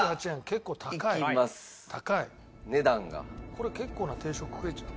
これ結構な定食食えちゃう。